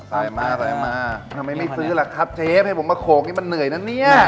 ใส่มาใส่มาทำไมไม่ซื้อล่ะครับเชฟให้ผมมาโขกนี่มันเหนื่อยนะเนี่ย